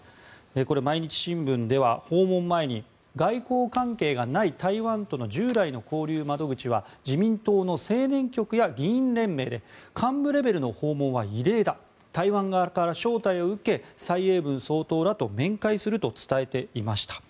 これ、毎日新聞では訪問前に外交関係がない台湾との従来の交流窓口は自民党の青年局や議員連盟で幹部レベルの訪問は異例だ台湾側から招待を受け蔡英文総統らと面会すると伝えていました。